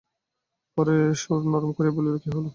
পরে সুর নরম করিয়া বলিল, কি হল?